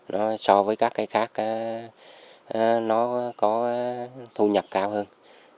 nó so với các cái khác nó có thu nhập cao hơn